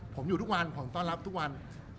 ผมอยู่ทุกวันผมต้อนรับทุกวัน